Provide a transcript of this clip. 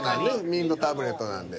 ミントタブレットなんで。